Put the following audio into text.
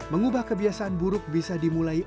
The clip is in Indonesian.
mengubah kebiasaan buruk bisa dimulai